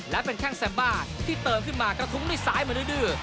และเป็นแข้งแซมบ้าที่เติมขึ้นมากระทุ้งด้วยซ้ายมาดื้อ